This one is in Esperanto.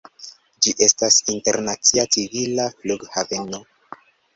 Ĝi estas internacia civila flughaveno.